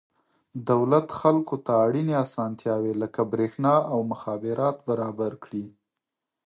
دولت خلکو ته اړینې اسانتیاوې لکه برېښنا او مخابرات برابر کړي.